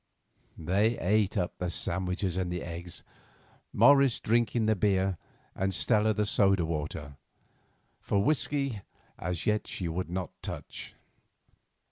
They ate up the sandwiches and the eggs, Morris drinking the beer and Stella the soda water, for whiskey as yet she would not touch.